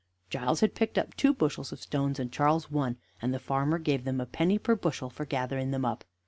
Giles had picked up two bushels of stones and Charles one, and the farmer gave them a penny per bushel for gathering them up.